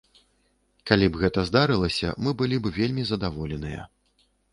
Калі б гэта здарылася, мы былі б вельмі задаволеныя.